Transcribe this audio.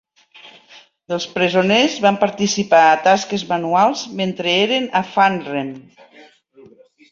Els presoners van participar a tasques manuals mentre eren a Fannrem.